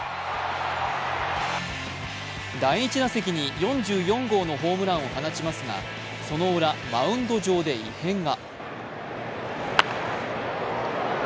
第１打席に４４号のホームランを放ちますがそのウラ、マウンド上で異変が。